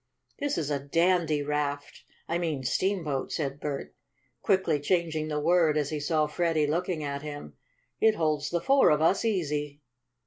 "This is a dandy raft I mean steamboat," said Bert, quickly changing the word as he saw Freddie looking at him. "It holds the four of us easy."